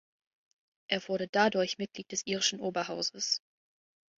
Er wurde dadurch Mitglied des irischen Oberhauses.